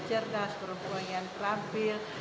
cerdas perempuan yang rampil